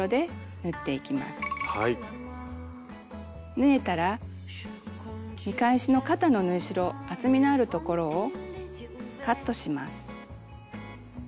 縫えたら見返しの肩の縫い代厚みのあるところをカットします。